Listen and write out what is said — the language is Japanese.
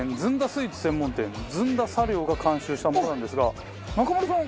スイーツ専門店ずんだ茶寮が監修したものなんですが中丸さん。